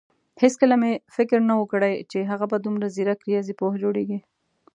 هيڅکله مې فکر نه وو کړی چې هغه به دومره ځيرک رياضيپوه جوړېږي.